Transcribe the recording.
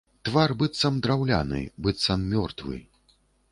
Твар быццам драўляны, быццам мёртвы.